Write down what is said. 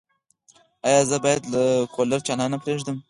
ایا زه باید کولر چالانه پریږدم؟